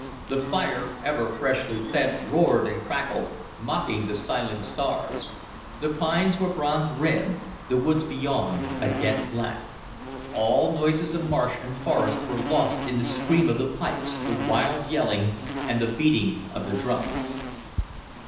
The fire, ever freshly fed, roared and crackled, mocking the silent stars. The pines were bronze red, the woods beyond a dead black. All noises of marsh and forest were lost in the scream of the pipes, the wild yelling, and the beating of the drums.